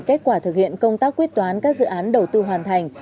kết quả thực hiện công tác quyết toán các dự án đầu tư hoàn thành